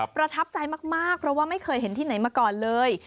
ประทับใจมากเพราะว่าไม่เคยเห็นที่ไหนมาก่อนเลย